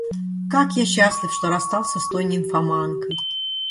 Как я счастлив, что расстался с той нимфоманкой!